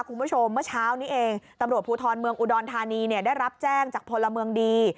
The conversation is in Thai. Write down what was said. คุณผู้ชมเมื่อเช้านี้เองตำรวจภูทรเมืองอุดรธานีเนี่ยได้รับแจ้งจากพลเมืองดี